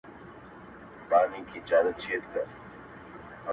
• یو غرڅه وو په ځان غټ په قامت ښکلی ,